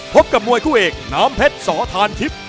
พบกับมวยคู่เอกน้ำเพชรสอทานทิพย์